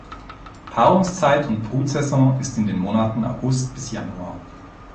Paarungszeit und Brutsaison ist in den Monaten August bis Januar.